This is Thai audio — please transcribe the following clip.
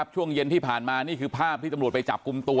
ช่วงเย็นที่ผ่านมานี่คือภาพที่ตำรวจไปจับกลุ่มตัว